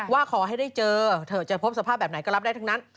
ว่าขอให้ได้เจอเถอะจะพบสภาพแบบไหนก็รับได้ทั้งนั้น